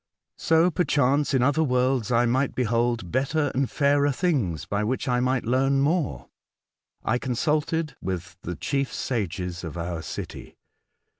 So, perchance, in other worlds I might behold better and fairer things, by which I might learn more. I consulted with the chief sages of our city.